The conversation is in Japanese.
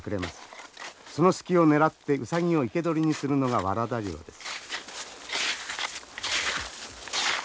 その隙を狙ってウサギを生け捕りにするのがワラダ猟です。